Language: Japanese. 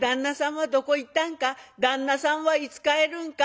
旦那さんはいつ帰るんか？